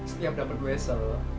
setiap dapat duesel